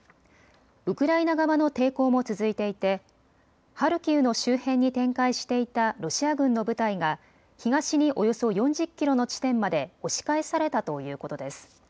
ウクライナ側の抵抗も続いていてハルキウの周辺に展開していたロシア軍の部隊が東におよそ４０キロの地点まで押し返されたということです。